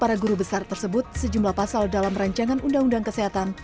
para guru besar tersebut sejumlah pasal dalam rancangan undang undang kesehatan